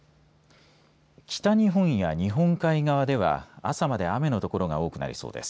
北日本や日本海側では朝まで雨の所が多くなりそうです。